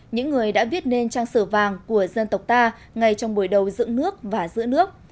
những người đã viết nên trang sửa vàng của dân tộc ta ngay trong buổi đầu dựng nước và giữ nước